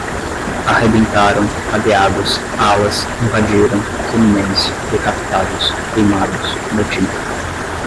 arrebentaram, cadeados, alas, invadiram, fluminense, decapitados, queimados, motim